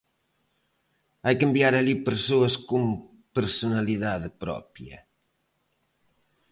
Hai que enviar alí persoas con personalidade propia.